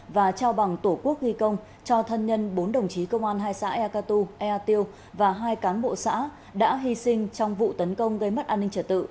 và trao bằng tổ quốc ghi công cho thân nhân bốn đồng chí công an hai xã eaku ea tiêu và hai cán bộ xã đã hy sinh trong vụ tấn công gây mất an ninh trật tự